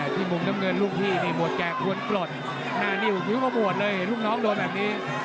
ที่มุมน้ำเงินลูกพี่มัวแก่ควรกลดหน้านิ่วผิวเข้าหมวดเลยลูกน้องลงแบบนี้